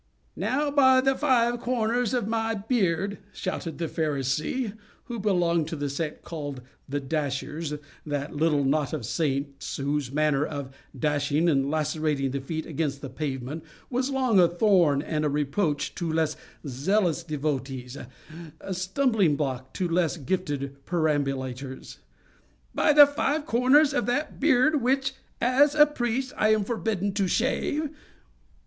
"Now, by the five corners of my beard!" shouted the Pharisee, who belonged to the sect called The Dashers (that little knot of saints whose manner of _dashing _and lacerating the feet against the pavement was long a thorn and a reproach to less zealous devotees—a stumbling block to less gifted perambulators)—"by the five corners of that beard which, as a priest, I am forbidden to shave!